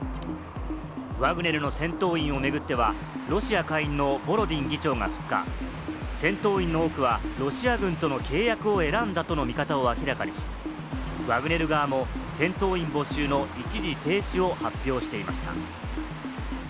ワグネルの戦闘員を巡っては、ロシア下院のボロディン議長が２日、戦闘員の多くはロシア軍との契約を選んだとの見方を明らかにし、ワグネル側も戦闘員募集の一時停止を発表していました。